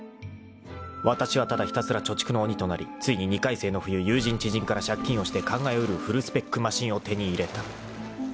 ［わたしはただひたすら貯蓄の鬼となりついに２回生の冬友人知人から借金をして考え得るフルスペックマシンを手に入れた］